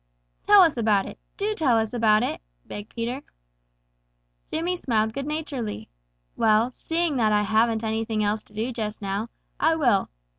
"Tell us about it. Do tell us about it!" begged Peter. Jimmy smiled good naturedly. "Well, seeing that I haven't anything else to do just now, I will.